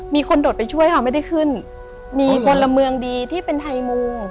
โดดไปช่วยค่ะไม่ได้ขึ้นมีพลเมืองดีที่เป็นไทยมุง